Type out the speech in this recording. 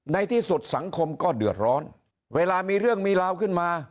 ในที่สุดสังคมก็เดือดร้อนเวลามีเรื่องมีราวขึ้นมา